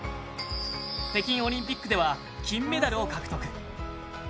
北京オリンピックでは金メダルを獲得。